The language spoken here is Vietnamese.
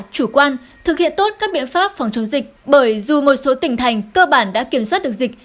chủ quan thực hiện tốt các biện pháp phòng chống dịch bởi dù một số tỉnh thành cơ bản đã kiểm soát được dịch